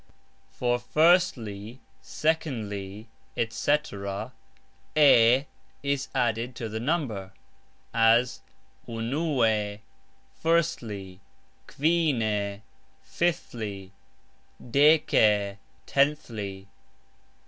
For "firstly, secondly", etc., " e" is added to the number, as "unue", firstly; "kvine", fifthly; "deke", tenthly.